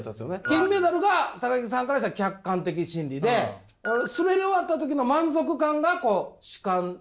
金メダルが木さんからしたら客観的真理で滑り終わった時の満足感がこう主体的真理。